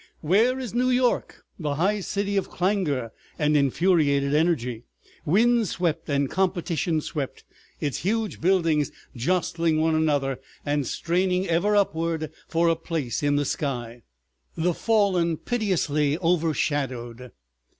Where is New York, the high city of clangor and infuriated energy, wind swept and competition swept, its huge buildings jostling one another and straining ever upward for a place in the sky, the fallen pitilessly overshadowed.